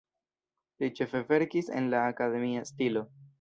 Li ĉefe verkis en la akademia stilo.